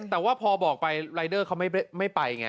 แต่ว่าพอบอกไปรายเดอร์เขาไม่ไปไง